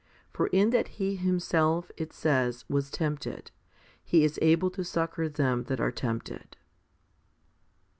For in that He Himself, it says, was tempted, He is able to succour them that are templed?